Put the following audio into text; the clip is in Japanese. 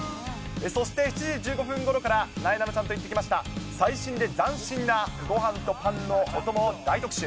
そして７時１５分ごろから、なえなのちゃんと行ってきました、最新で斬新なごはんとパンのお供を大特集。